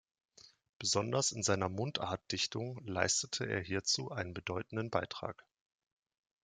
Besonders in seiner Mundartdichtung leistete er hierzu einen bedeutenden Beitrag.